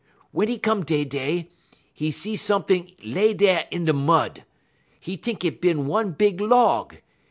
Wun 'e come dey dey, 'e see somet'ing lay dey in de mud. 'E t'ink it bin one big log.